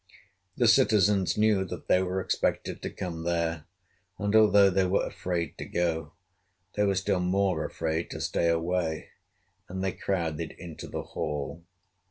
The citizens knew that they were expected to come there, and although they were afraid to go, they were still more afraid to stay away; and they crowded into the hall.